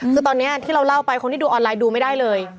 คือตอนนี้ที่เราเล่าไปคนที่ดูออนไลน์ดูไม่ได้เลย